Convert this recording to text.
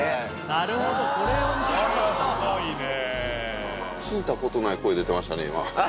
なるほど、これを見せたかっ聞いたことない声出てましたね、今。